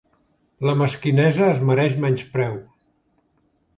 La mesquinesa es mereix menyspreu.